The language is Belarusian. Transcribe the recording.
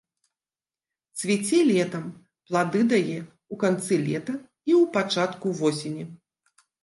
Цвіце летам, плады дае ў канцы лета і ў пачатку восені.